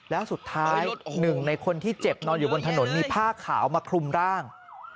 แล้วสุดท้ายหนึ่งในคนที่เจ็บนอนอยู่บนถนนมีผ้าขาวมาคลุมร่าง